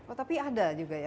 oh tapi ada juga ya